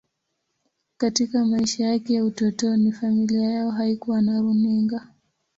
Katika maisha yake ya utotoni, familia yao haikuwa na runinga.